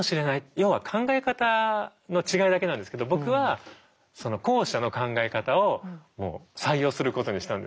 要は考え方の違いだけなんですけど僕は後者の考え方をもう採用することにしたんですね。